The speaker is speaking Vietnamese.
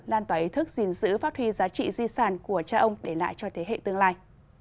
lan tỏa ý thức gìn giữ phát huy giá trị di sản của cha ông để lại cho thế hệ tương lai